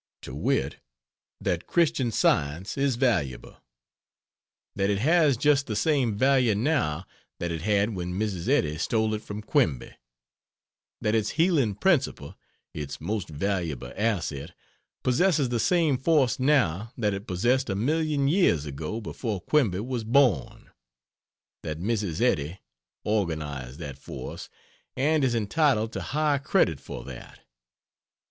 To wit, that Christian Science is valuable; that it has just the same value now that it had when Mrs. Eddy stole it from Quimby; that its healing principle (its most valuable asset) possesses the same force now that it possessed a million years ago before Quimby was born; that Mrs. Eddy... organized that force, and is entitled to high credit for that.